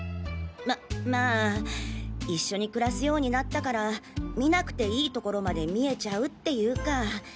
ままぁ一緒に暮らすようになったから見なくていい所まで見えちゃうっていうか。